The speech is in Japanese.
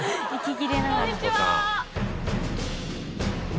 こんにちは。